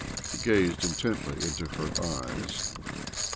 He gazed intently into her eyes.